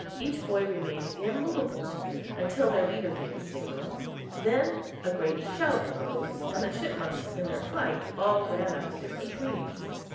Each boy remained immovable until their leader gave the signal; then a great shout arose, and the chipmunks in their flight all ran up the different trees.